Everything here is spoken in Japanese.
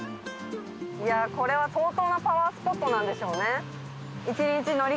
いやあこれは相当なパワースポットなんでしょうね。